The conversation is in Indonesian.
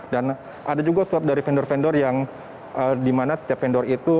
dan ada juga suap dari vendor vendor yang di mana setiap vendor itu